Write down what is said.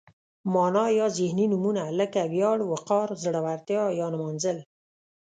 معنا یا ذهني نومونه لکه ویاړ، وقار، زړورتیا یا نمانځل.